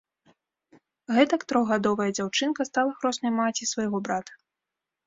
Гэтак трохгадовая дзяўчынка стала хроснай маці свайго брата.